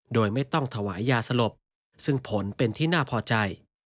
โดยไม่ต้องถวายยาสลบซึ่งผลเป็นที่น่าพอใจ